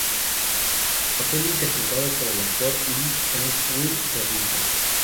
Papel interpretado por el actor Lee Sang-woo de adulto.